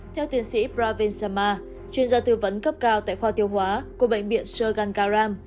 theo tiến sĩ pravin sama chuyên gia tư vấn cấp cao tại khoa tiêu hóa của bệnh viện surgankaram